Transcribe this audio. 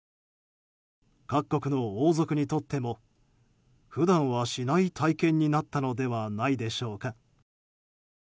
各国の王族にとっても普段はしない体験になったのではないでしょうか。